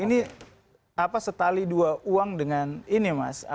ini setali dua uang dengan ini mas